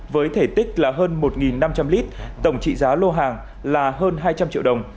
với thể tích là hơn một năm trăm linh lít tổng trị giá lô hàng là hơn hai trăm linh triệu đồng